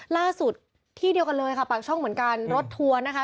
ล่าสุดที่เดียวกันเลยค่ะปากช่องเหมือนกันรถทัวร์นะคะ